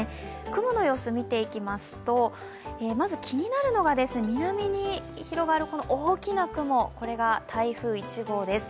雲の様子を見ていきますと、まず気になるのが、南に広がる大きな雲これが台風１号です。